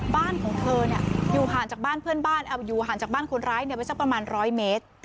บ้านของเธออยู่ห่างจากบ้านเพื่อนบ้านอยู่ห่างจากบ้านคนร้ายไปสักประมาณ๑๐๐เมตร